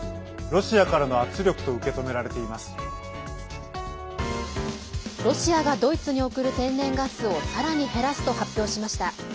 ロシアがドイツに送る天然ガスをさらに減らすと発表しました。